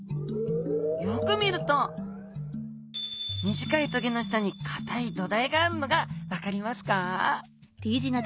よく見ると短い棘の下にかたい土台があるのが分かりますか？